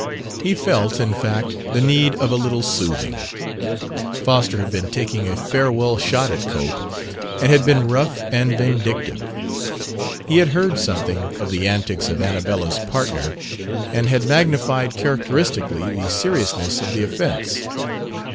He felt, in fact, the need of a little soothing. Foster had been taking a farewell shot at Cope and had been rough and vindictive. He had heard something of the antics of "Annabella's" partner and had magnified characteristically the seriousness of the offense.